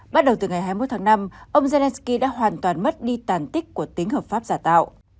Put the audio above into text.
bắt đầu từ ngày hai mươi một tháng năm ông zelensky đã hoàn toàn mất đi tàn tích của tính hợp pháp giả tạo